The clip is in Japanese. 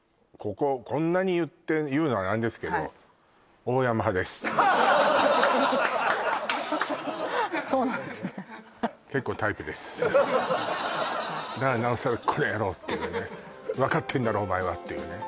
こんなに言って言うのは何ですけどそうなんですねだからなおさらこの野郎っていうね分かってんだろお前はっていうね